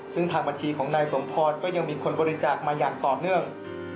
ซึ่งทางบัญชีของนายสมพรก็ยังมีคนบริจาคมาอย่างต่อเนื่อง